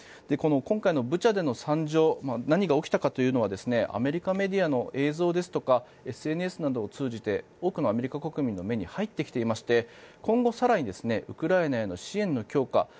この今回のブチャでの惨状何が起きたかというのはアメリカメディアの映像ですとかＳＮＳなどを通じて多くのアメリカ国民の目に入ってきていまして今後、更にウクライナへの支援の強化